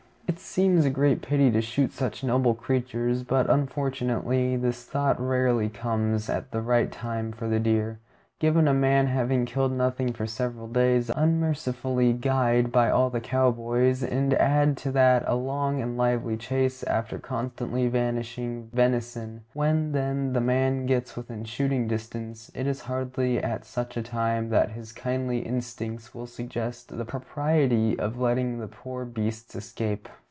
It seems a great pity to shoot such noble creatures; but unfortunately this thought rarely comes at the right time for the deer. Given, a man having killed nothing for several days, unmercifully guyed by all the cow boys, and add to that a long and lively chase after constantly vanishing venison, when, then, the man gets within shooting distance, it is hardly at such a time that his kindly instincts will suggest the propriety of letting the poor beasts escape.